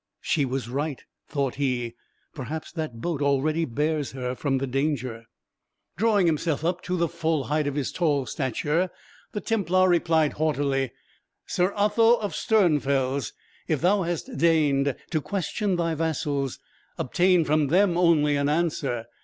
"She was right," thought he; "perhaps that boat already bears her from the danger." Drawing himself up to the full height of his tall stature, the Templar replied haughtily: "Sir Otho of Sternfels, if thou hast deigned to question thy vassals, obtain from them only an answer.